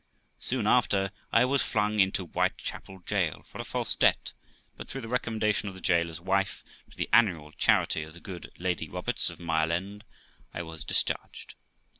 Soon after, I was flung into Whitechapel jail for a false debt, but, through the recommendation of the jailer's wife to the annual charity of the good Lady Roberts, of Mile End, I was discharged.